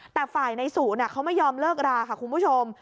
แต่ฝ่ายในศูนย์เขาไม่ยอมเลิกราค่ะคุณผู้ชม